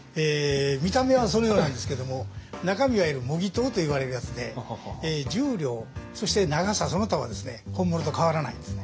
見た目はそのようなんですけれども中身はいわゆる模擬刀といわれるやつで重量そして長さその他はですね本物と変わらないんですね。